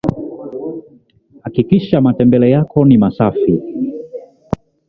hakikisha Matembele yako mi masafi